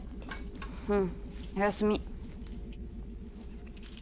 うんおやすみ。